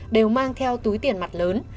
đều mang theo túi tiền mặt lớn